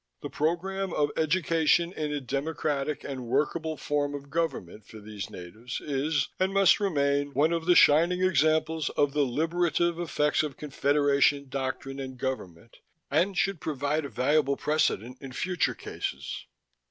The program of education in a democratic and workable form of government for these natives is, and must remain, one of the shining examples of the liberative effects of Confederation doctrine and government, and should provide a valuable precedent in future cases....